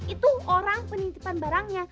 itu orang penitipan barangnya